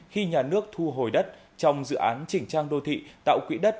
khi nhà nước thu hồi đất trong dự án chỉnh trang đô thị tạo quỹ đất